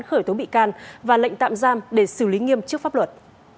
khởi tố bị can và lệnh tạm giam để xử lý nghiêm trước pháp luật